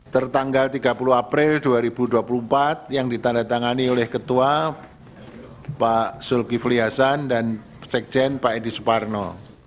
tertanggal tiga puluh april dua ribu dua puluh empat yang ditandatangani oleh ketua pak zulkifli hasan dan sekjen pak edi suparno